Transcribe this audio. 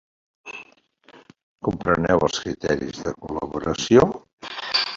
Els seus principals nuclis de població són Dubbo, Narromine, Wellington i Mudgee.